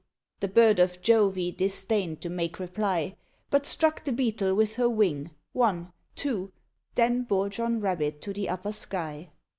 The bird of Jove disdained to make reply, But struck the Beetle with her wing one two Then bore John Rabbit to the upper sky.